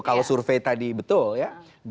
kalau survei tadi betul ya